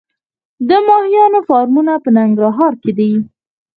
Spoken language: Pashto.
د ماهیانو فارمونه په ننګرهار کې دي